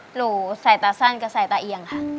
หนูใส่ตาสั้นกับใส่ตาเอียงค่ะ